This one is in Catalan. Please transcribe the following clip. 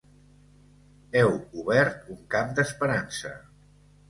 Heu obert un camp d’esperança.